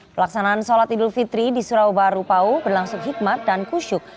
pelaksanaan sholat idul fitri di surau baru pau berlangsung hikmat dan kusyuk